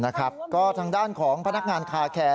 นะครับก็ทางด้านของพนักงานคาแคร์